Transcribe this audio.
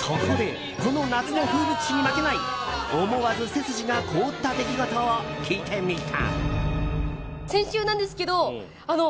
そこでこの夏の風物詩に負けない思わず背筋が凍った出来事を聞いてみた。